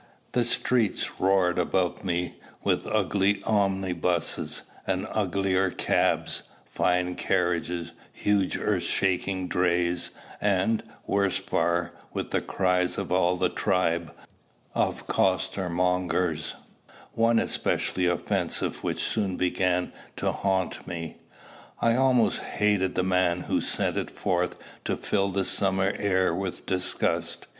The streets roared about me with ugly omnibuses and uglier cabs, fine carriages, huge earth shaking drays, and, worse far, with the cries of all the tribe, of costermongers, one especially offensive which soon began to haunt me. I almost hated the man who sent it forth to fill the summer air with disgust.